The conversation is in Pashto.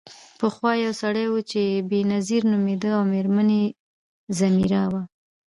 پخوا یو سړی و چې بینظیر نومیده او میرمن یې ځمیرا وه.